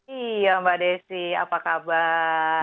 iya mbak desi apa kabar